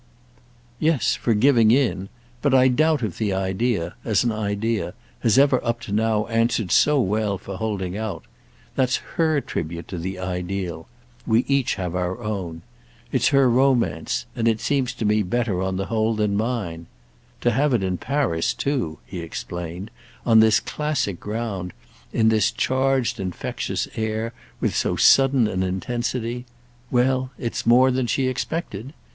"Yes—for giving in. But I doubt if the idea—as an idea—has ever up to now answered so well for holding out. That's her tribute to the ideal—we each have our own. It's her romance—and it seems to me better on the whole than mine. To have it in Paris too," he explained—"on this classic ground, in this charged infectious air, with so sudden an intensity: well, it's more than she expected.